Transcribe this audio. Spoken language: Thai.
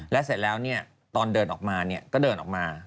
และเสร็จแล้วเนี่ยตอนเดินออกมาเนี่ยก็เดินออกมา